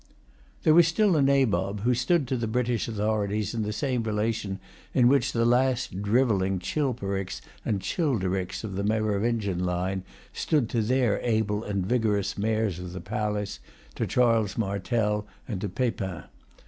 There was still a Nabob, who stood to the British authorities in the same relation in which the last drivelling Chilperics and Childerics of the Merovingian line stood to their able and vigorous Mayors of the Palace, to Charles Martel, and to Pepin.